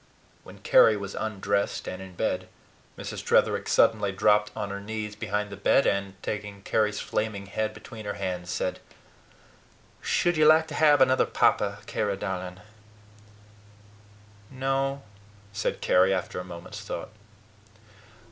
When Carry was undressed and in bed, Mrs. Tretherick suddenly dropped on her knees beside the bed, and, taking Carry's flaming head between her hands, said: "Should you like to have another papa, Carry, darling?" "No," said Carry, after a moment's thought.